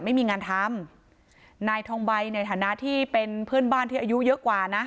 ไม่มีงานทำนายทองใบในฐานะที่เป็นเพื่อนบ้านที่อายุเยอะกว่านะ